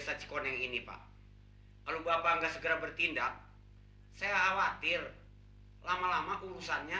saya kesehatanhey reservasi biasa